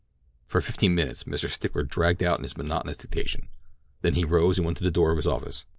For fifteen minutes Mr. Stickler dragged out his monotonous dictation. Then he rose and went to the door of his office.